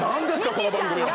この番組は。